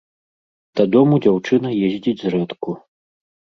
Дадому дзяўчына ездзіць зрэдку.